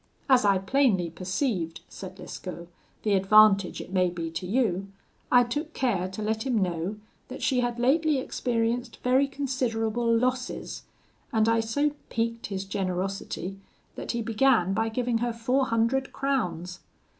As I plainly perceived,' said Lescaut, 'the advantage it may be to you, I took care to let him know that she had lately experienced very considerable losses; and I so piqued his generosity that he began by giving her four hundred crowns.